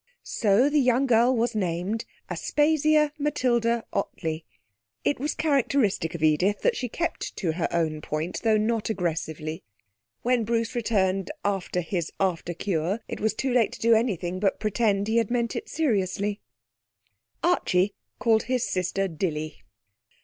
So the young girl was named Aspasia Matilda Ottley. It was characteristic of Edith that she kept to her own point, though not aggressively. When Bruce returned after his after cure, it was too late to do anything but pretend he had meant it seriously. Archie called his sister Dilly.